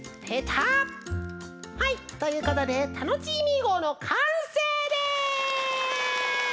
はいということでタノチーミーごうのかんせいです！